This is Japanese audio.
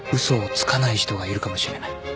嘘をつかない人がいるかもしれない。